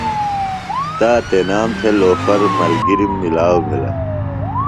۔تا تنام تھےۡ لوفر ملگِرم ملاؤ بِھلہ دےۡ۔